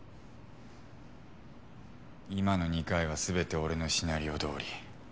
今の２回は全て俺のシナリオどおり。